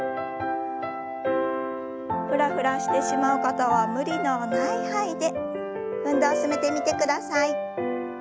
フラフラしてしまう方は無理のない範囲で運動を進めてみてください。